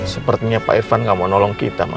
sepertinya pak irfan gak mau nolong kita